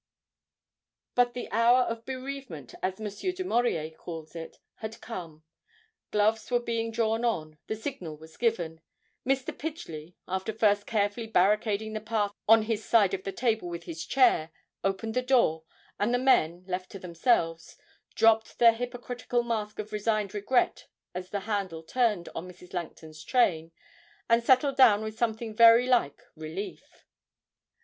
But the hour of 'bereavement,' as Mr. Du Maurier calls it, had come; gloves were being drawn on, the signal was given. Mr. Pidgely, after first carefully barricading the path on his side of the table with his chair, opened the door, and the men, left to themselves, dropped their hypocritical mask of resigned regret as the handle turned on Mrs. Langton's train, and settled down with something very like relief.